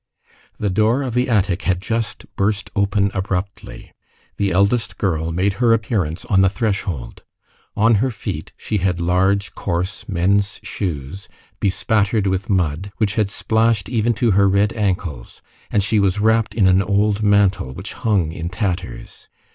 The door of the attic had just burst open abruptly. The eldest girl made her appearance on the threshold. On her feet, she had large, coarse, men's shoes, bespattered with mud, which had splashed even to her red ankles, and she was wrapped in an old mantle which hung in tatters.